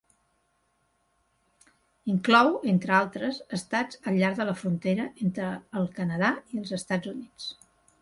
Inclou, entre altres, estats al llarg de la frontera entre el Canadà i els Estats Units.